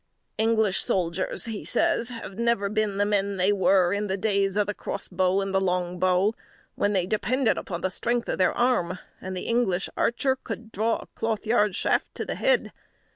"English soldiers," he says, "have never been the men they were in the days of the cross bow and the long bow; when they depended upon the strength of the arm, and the English archer could draw a cloth yard shaft to the head.